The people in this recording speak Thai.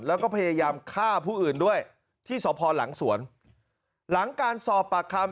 แล้วก็พยายามฆ่าผู้อื่นด้วยที่สพหลังสวนหลังการสอบปากคำ